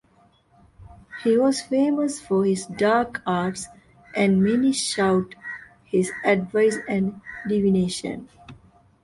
He was famous for his dark arts and many sought his advice and divination.